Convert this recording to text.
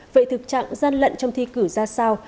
vậy thực trạng gian lận trong thi cử ra sao